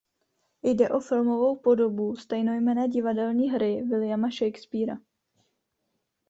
Jde o filmovou podobu stejnojmenné divadelní hry Williama Shakespeara.